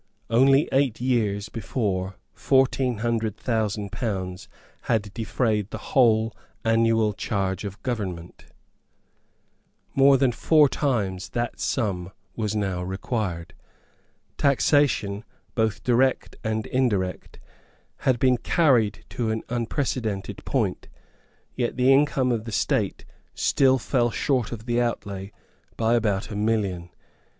Only eight years before fourteen hundred thousand pounds had defrayed the whole annual charge of government. More than four times that sum was now required. Taxation, both direct and indirect, had been carried to an unprecedented point; yet the income of the state still fell short of the outlay by about a million.